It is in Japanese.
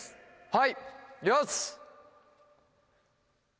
はい！